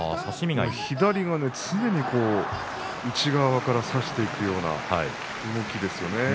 左が常に内側から差していくような動きですよね。